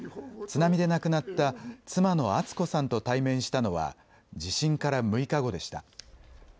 津波で亡くなった妻の厚子さんと対面したのは地震から６日後でした。